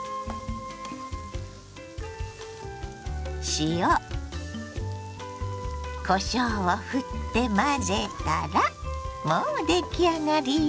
塩こしょうをふって混ぜたらもう出来上がりよ。